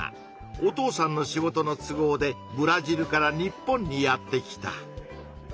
お父さんの仕事の都合でブラジルから日本にやって来た。